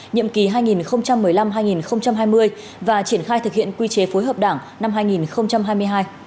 nhiệm kỳ hai nghìn một mươi năm hai nghìn hai mươi và triển khai thực hiện quy chế phối hợp đảng năm hai nghìn hai mươi hai